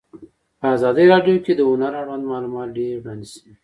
په ازادي راډیو کې د هنر اړوند معلومات ډېر وړاندې شوي.